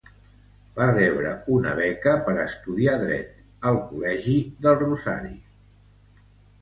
Va rebre una beca per estudiar dret al Colegio del Rosario.